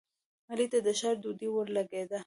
علي ته د ښار ډوډۍ ورلګېده.